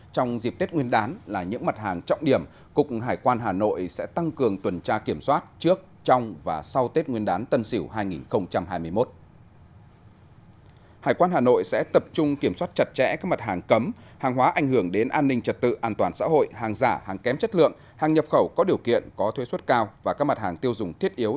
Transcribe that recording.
trong dịp tết nguyên đán là những mặt hàng trọng điểm cục hải quan hà nội sẽ tăng cường tuần tra kiểm soát trước trong và sau tết nguyên đán tân sỉu hai nghìn hai mươi một